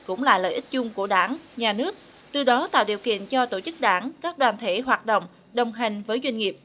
cũng là lợi ích chung của đảng nhà nước từ đó tạo điều kiện cho tổ chức đảng các đoàn thể hoạt động đồng hành với doanh nghiệp